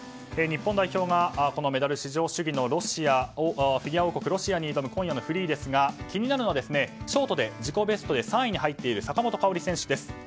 日本代表がメダル至上主義フィギュア王国のロシアに挑む今夜のフリーですが気になるのがショートで自己ベストで３位に入った坂本花織選手です。